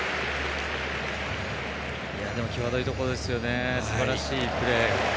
際どいところですね、素晴らしいプレー。